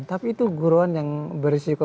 tapi itu guruan yang berisiko